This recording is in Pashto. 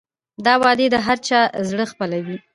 دا وعدې د هر چا زړه خپلوي.